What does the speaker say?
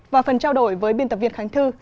và phần trao đổi với biên tập viên khánh thư